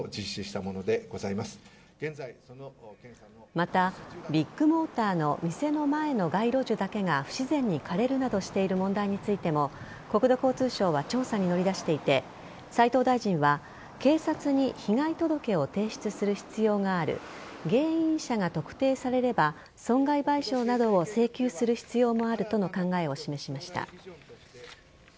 また、ビッグモーターの店の前の街路樹だけが不自然に枯れるなどしている問題についても国土交通省は調査に乗り出していて斉藤大臣は警察に被害届を提出する必要がある原因者が特定されれば損害賠償などを請求する必要もあるとの考えを示しました。